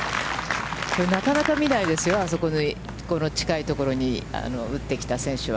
なかなか見ないですよ、あそこの近いところに、打ってきた選手は。